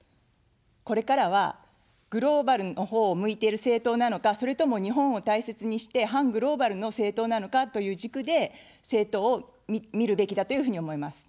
これからは、グローバルのほうを向いている政党なのか、それとも日本を大切にして反グローバルの政党なのかという軸で政党を見るべきだというふうに思います。